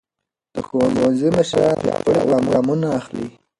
د ښوونځي مشران پیاوړي ګامونه اخلي.